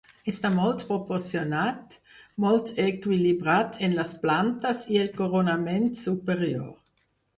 Està molt proporcionat, molt equilibrat en les plantes i el coronament superior.